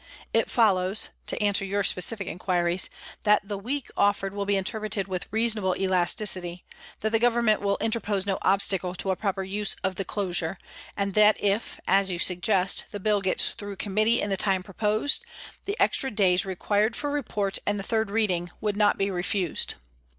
" It follows (to answer your specific inquiries) that ' the week ' offered will be interpreted with reasonable elasticity, that the Government will interpose no obstacle to a proper use of the closure, and that if (as you suggest) the Bill gets through Committee in the time proposed, the extra days required for report and third reading would not be refused.